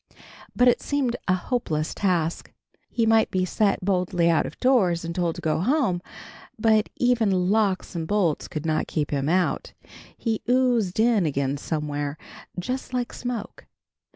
But it seemed a hopeless task. He might be set bodily out of doors and told to go home, but even locks and bolts could not keep him out. He oozed in again somewhere, just like smoke.